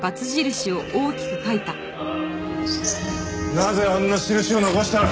なぜあんな印を残した？